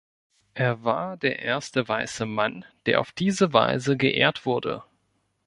Er war der erste weiße Mann, der auf diese Weise geehrt wurde.